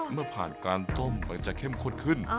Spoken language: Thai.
ซุปไก่เมื่อผ่านการต้มก็จะเข้มข้นขึ้น